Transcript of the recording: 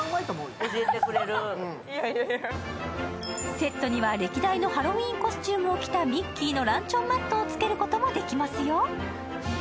セットには歴代のハロウィーンコスチュームを着たミッキーのランチョンマットもつけることができますよ。